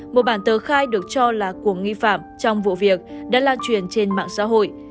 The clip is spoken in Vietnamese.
một bản tờ khai được cho là của nghi phạm trong vụ việc đã lan truyền trên mạng xã hội